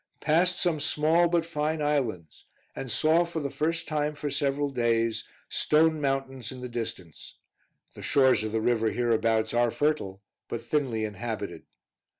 Passed some small, but fine islands, and saw, for the first time for several days, stone mountains in the distance: the shores of the river hereabouts are fertile, but thinly inhabited.